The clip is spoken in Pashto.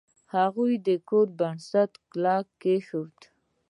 هغه د کور بنسټ کلک کیښود.